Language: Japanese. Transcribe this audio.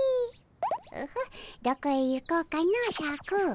オホッどこへ行こうかのシャク。